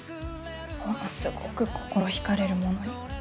ものすごぐ心引かれるものに。